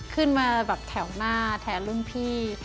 ขึ้นมาแถวลูกต่อไปแถวรุ่นพี่